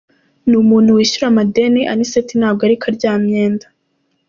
Ni umuntu wishyura amadeni, Anicet ntabwo ari karyamenda.